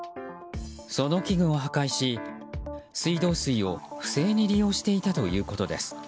その器具を破壊し水道水を不正に利用していたということです。